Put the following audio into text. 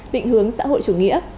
định hướng xã hội chủ nghĩa